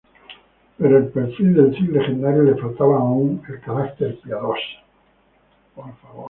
Pero al perfil del Cid legendario le faltaba aún el carácter piadoso.